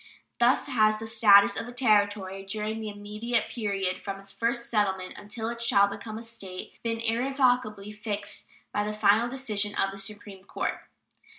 Thus has the status of a Territory during the intermediate period from its first settlement until it shall become a State been irrevocably fixed by the final decision of the Supreme Court.